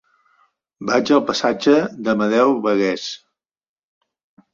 Vaig al passatge d'Amadeu Bagués.